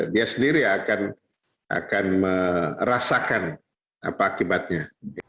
dia sendiri akan merasakan apa akibatnya